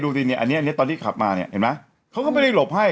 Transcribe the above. เนี่ยอันนี้ตอนที่ขับมาเนี่ยเห็นไหมเขาก็ไม่ได้หลบให้